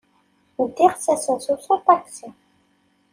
Ddiɣ s asensu s uṭaksi.